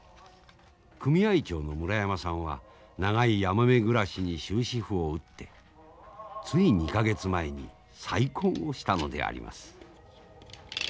組合長の村山さんは長いやもめ暮らしに終止符を打ってつい２か月前に再婚をしたのであります。